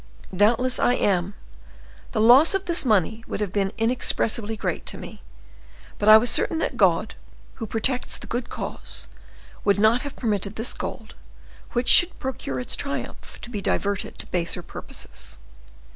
"Doubtless I am; the loss of this money would have been inexpressibly great to me: but I was certain that God, who protects the good cause, would not have permitted this gold, which should procure its triumph, to be diverted to baser purposes.